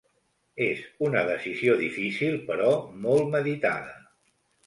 És una decisió difícil però molt meditada.